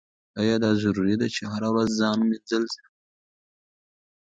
ایا دا ضروري ده چې هره ورځ ځان مینځل شي؟